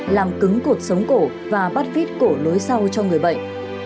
làm cứng cột sống cổ và bắt vít cổ lối sau cho người bệnh